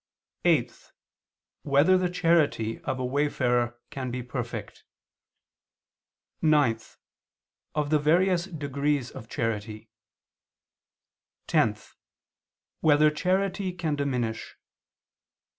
(8) Whether the charity of a wayfarer can be perfect? (9) Of the various degrees of charity; (10) Whether charity can diminish?